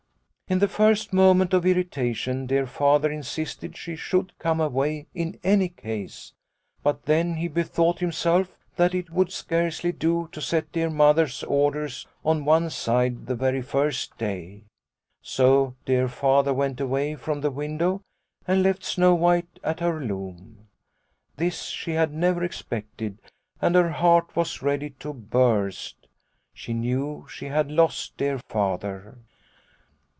" In the first moment of irritation dear Father insisted she should come in any case, but then he bethought himself that it would scarcely do to set dear Mother's orders on one side the very first day. So dear Father went away from the window and left Snow White at her loom. This she had never expected, and her heart was ready to burst. She knew she had lost dear Father."